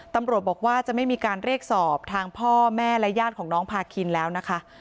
ตำรวจบอกว่าจะไม่มีการเรียกสอบทางพ่อแม่และญาติของน้องพาคินแล้วนะคะ